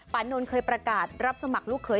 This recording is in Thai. นนท์เคยประกาศรับสมัครลูกเขย